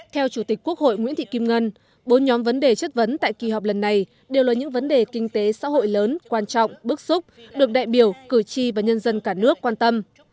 theo chủ tịch quốc hội nguyễn thị kim ngân bốn nhóm vấn đề chất vấn tại kỳ họp lần này đều là những vấn đề kinh tế xã hội lớn quan trọng bước xúc được đại biểu cử tri và nhân dân cả nước quan tâm